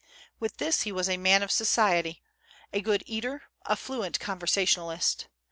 With this, he was a man of society, a good eater, a fluent conversationalist.